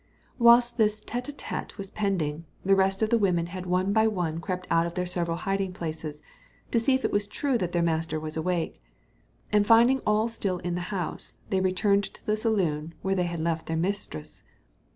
Whilst this tête à tête was pending, the rest of the women had one by one crept out of their several hiding places, to see if it was true that their master was awake; and finding all still in the house, they returned to the saloon where they had left their mistress.